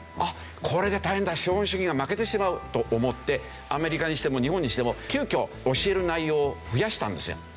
これで大変だ資本主義が負けてしまう！と思ってアメリカにしても日本にしても急遽教える内容を増やしたんですね。